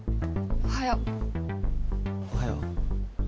おはよう。